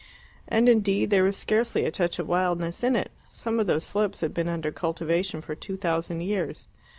And, indeed, there was scarcely a touch of wildness in it some of those slopes had been under cultivation for two thousand years.